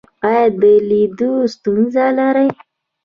ایا د لیدلو ستونزه لرئ؟